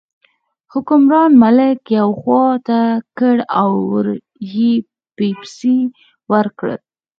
حکمران ملک یوې خوا ته کړ او ور یې پسپسي وکړل.